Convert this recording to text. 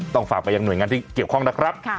ฝากไปยังหน่วยงานที่เกี่ยวข้องนะครับ